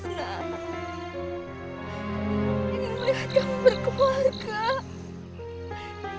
ingin melihat kamu berkeluarga